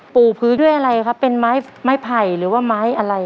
ปู่พื้นด้วยอะไรครับเป็นไม้ไม้ไผ่หรือว่าไม้อะไร